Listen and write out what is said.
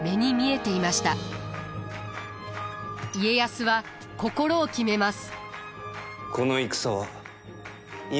家康は心を決めます。